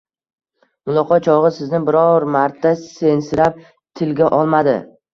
Muloqot chog‘i sizni biror marta sensirab tilga olmadi